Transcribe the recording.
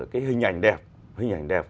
cái hình ảnh đẹp